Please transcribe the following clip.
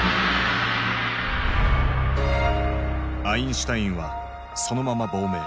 アインシュタインはそのまま亡命。